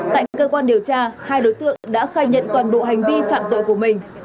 tại cơ quan điều tra hai đối tượng đã khai nhận toàn bộ hành vi phạm tội của mình